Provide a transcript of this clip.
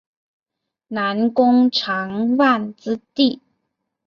南宫长万之弟。